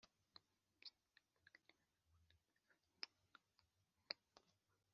Iri hohoterwa rikunze kugaragara iyo umuntu atiyitaho